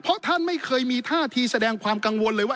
เพราะท่านไม่เคยมีท่าทีแสดงความกังวลเลยว่า